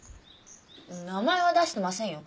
名前は出してませんよ。